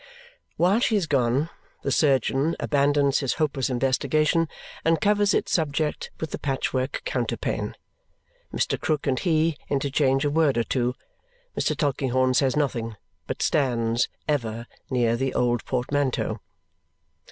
While she is gone, the surgeon abandons his hopeless investigation and covers its subject with the patchwork counterpane. Mr. Krook and he interchange a word or two. Mr. Tulkinghorn says nothing, but stands, ever, near the old portmanteau.